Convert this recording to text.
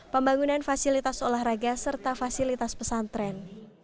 pembangunan fasilitas olahraga serta fasilitas pesantren